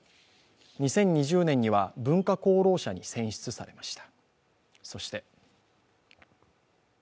２０２０年には、文化功労者に選出されました。